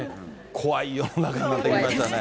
怖い世の中になってきましたね。